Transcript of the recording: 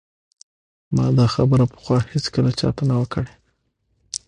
ما دا خبره پخوا هیڅکله چا ته نه ده کړې